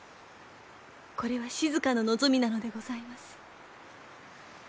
これは静の望みなのでございます。